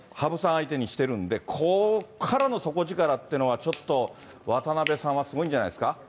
相手にしてるんで、ここからの底力ってのは、ちょっと渡辺さんはすごいんじゃないですか？